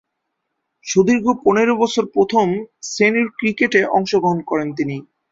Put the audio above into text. সুদীর্ঘ পনের বছর প্রথম-শ্রেণীর ক্রিকেটে অংশগ্রহণ করেন তিনি।